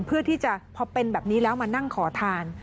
เพื่อที่จะพอเป็นแบบนี้แล้วมานั่งขอทาน